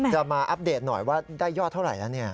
จะมาอัปเดตหน่อยว่าได้ยอดเท่าไรแล้ว